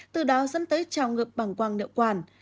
từ đó dẫn tới trào ngược bằng quang nợ quản